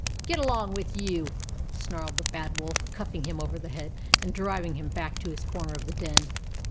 " Get along with you !" snarled the Bad Wolf, cuffing him over the head, and driv ing him back to his corner of the den.